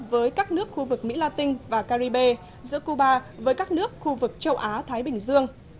với các nước khu vực mỹ la tinh và caribe giữa cuba với các nước khu vực châu á thái bình dương